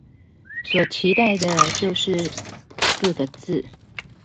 所期待的就是四個字